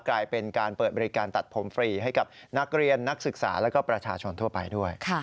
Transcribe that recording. กลายเป็นการเปิดบริการตัดผมฟรีให้กับนักเรียนนักศึกษาแล้วก็ประชาชนทั่วไปด้วย